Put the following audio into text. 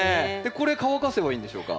これ乾かせばいいんでしょうか？